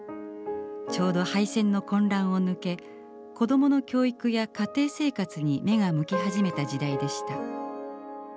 ちょうど敗戦の混乱を抜け子どもの教育や家庭生活に目が向き始めた時代でした。